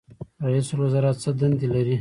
رئیس الوزرا څه دندې لري؟